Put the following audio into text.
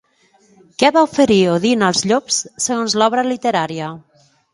Què va oferir Odin als llops, segons l'obra literària?